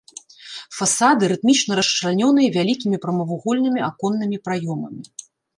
Фасады рытмічна расчлянёныя вялікімі прамавугольнымі аконнымі праёмамі.